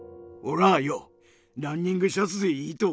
ランニングシャツでいいと思うべ。